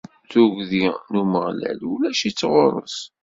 Tuggdi n Umeɣlal ulac-itt ɣur-s.